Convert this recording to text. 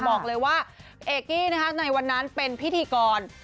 บอกเลยว่าเอกกี้นะคะในวันนั้นเป็นพิธีกร